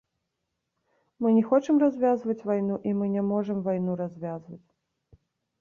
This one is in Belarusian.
Мы не хочам развязваць вайну, і мы не можам вайну развязваць.